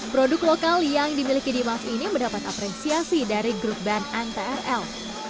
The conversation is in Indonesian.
produk lokal yang dimiliki d muff ini mendapat apresiasi dari grup band n trl